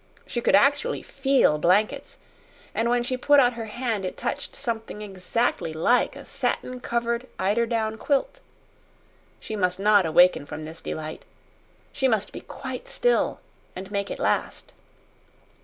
She could actually FEEL blankets, and when she put out her hand it touched something exactly like a satin covered eider down quilt. She must not awaken from this delight she must be quite still and make it last.